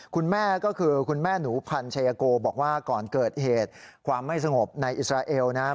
คุณแม่ก็คือคุณแม่หนูพันชายโกบอกว่าก่อนเกิดเหตุความไม่สงบในอิสราเอลนะครับ